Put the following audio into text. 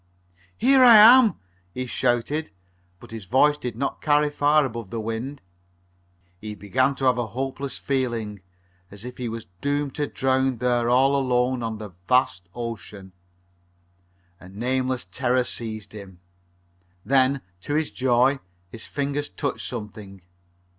"Here I am!" he shouted, but his voice did not carry far above the wind. He began to have a hopeless feeling, as if he was doomed to drown there all alone on the vast ocean. A nameless terror seized him. Then, to his joy, his fingers touched something.